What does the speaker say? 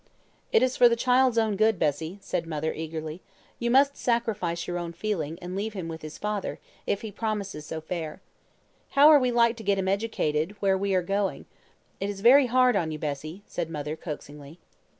"'It is for the child's own good, Bessie,' said mother, eagerly. 'You must sacrifice your own feeling, and leave him with his father, if he promises so fair. How are we like to get him educated where we are going? It is very hard on you, Bessie,' said mother, coaxingly.